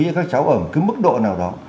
như các cháu ở một cái mức độ nào đó